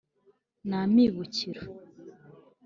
N,amibukiro